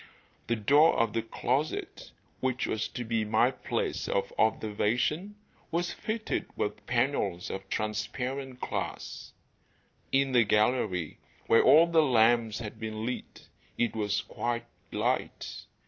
The door of the closet, which was to be my place of observation, was fitted with panels of transparent glass. In the gallery, where all the lamps had been lit, it was quite light.